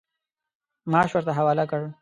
معاش ورته حواله کړ.